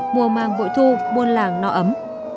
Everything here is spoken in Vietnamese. mùa màng bội thu buôn làng nó ấm